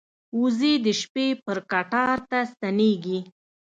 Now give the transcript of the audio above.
وزې د شپې پر کټار ته ستنېږي